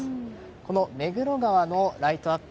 この目黒川のライトアップ